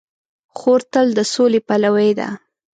خور تل د سولې پلوي ده.